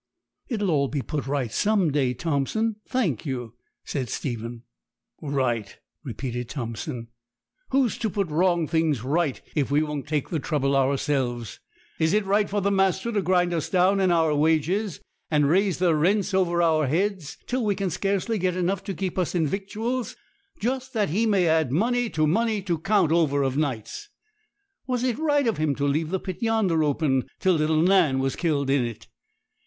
'It'll all be put right some day, Thompson, thank you,' said Stephen. 'Right!' repeated Thompson; 'who's to put wrong things right if we won't take the trouble ourselves? Is it right for the master to grind us down in our wages, and raise the rents over our heads, till we can scarcely get enough to keep us in victuals, just that he may add money to money to count over of nights? Was it right of him to leave the pit yonder open, till little Nan was killed in it?